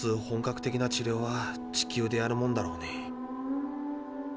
本格的な治療は地球でやるもんだろうに。